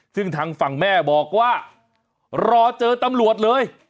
ซึ่งทางฝั่งแม่บอกว่ารอเจอตำรวจเลย